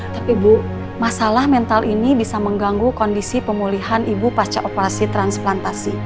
tapi ibu masalah mental ini bisa mengganggu kondisi pemulihan ibu pasca operasi transplantasi